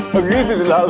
begitu di lalu